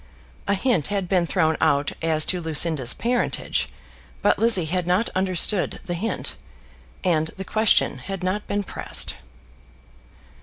A hint had been thrown out as to Lucinda's parentage; but Lizzie had not understood the hint, and the question had not been pressed.